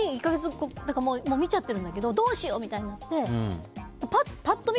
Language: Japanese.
見ちゃってるんだけどどうしようみたいになって。